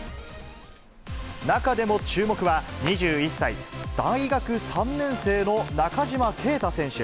中でも注目は、２１歳、大学３年生の中島啓太選手。